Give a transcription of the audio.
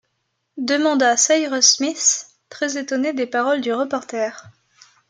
demanda Cyrus Smith, très-étonné des paroles du reporter.